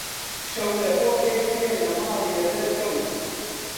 شەو لەبۆ کەیفێ لە ماڵێ دەرکەوت: